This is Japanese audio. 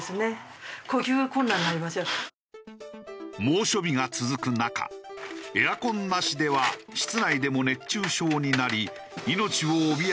猛暑日が続く中エアコンなしでは室内でも熱中症になり。